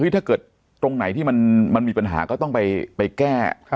ถ้าเกิดตรงไหนที่มันมีปัญหาก็ต้องไปแก้